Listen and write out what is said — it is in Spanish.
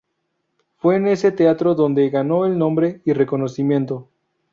Fue en ese teatro donde ganó el nombre y reconocimiento.